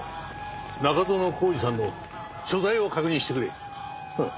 中園宏司さんの所在を確認してくれ。